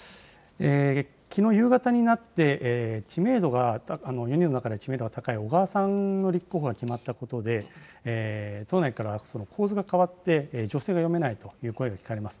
きのう夕方になって、知名度が、４人の中で知名度が高い小川さんの立候補が決まったことで、党内からは構図が変わって、情勢が読めないという声が聞かれます。